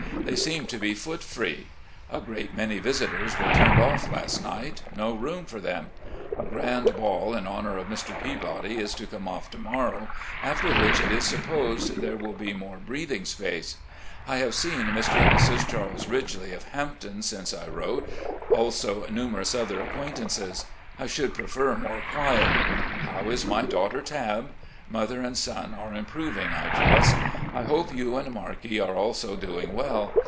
They seem to be foot free. A great many visitors were turned off last night — no room for them ! A grand ball in honour of Mr. Peabody is to come off to morrow, after which it is supposed there will be more breathing space. I have seen Mr. and Mrs. Charles ^figely orBamptOn' since 1 wrote, also numerous other acquaintances. I should prefer more quiet. How is my daughter Tabb ? Mother and son are improving, I trust. I hope you and Markie are also doing well.